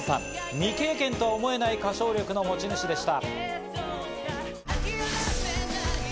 未経験とは思えない歌唱力の持ち主でした。